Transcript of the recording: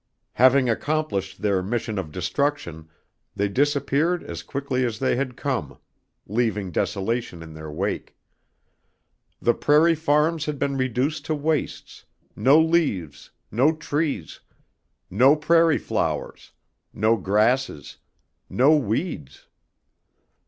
Having accomplished their mission of destruction, they disappeared as quickly as they had come, leaving desolation in their wake. The prairie farms had been reduced to wastes, no leaves, no trees, no prairie flowers, no grasses, no weeds.